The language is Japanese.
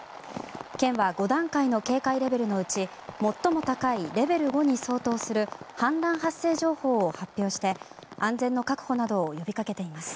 県は５段階の警戒レベルのうち最も高いレベル５に相当する氾濫発生情報を発表して安全の確保などを呼びかけています。